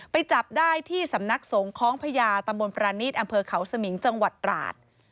ไปจับได้ที่สำนักสงของพระยาตำบลประณิชย์อำเภอเขาสมิงจังหวัดราช